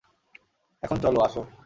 এখন চলো, আসো।